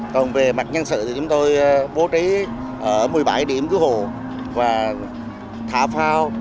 còn về mặt nhân sự thì chúng tôi bố trí ở một mươi bảy điểm cứu hồ và thả phao